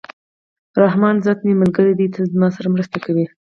رحمان ذات مي ملګری دئ! تل زما سره مرسته کوي.